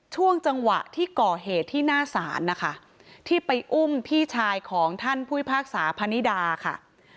ช่วงจังหวะที่ก่อเหตุที่หน้าศาลนะคะที่ไปอุ้มพี่ชายของท่านผู้พิพากษาพนิดาค่ะ